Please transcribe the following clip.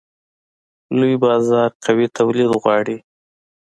لوی بازار قوي تولید غواړي.